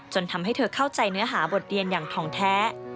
ทำให้เธอเข้าใจเนื้อหาบทเรียนอย่างทองแท้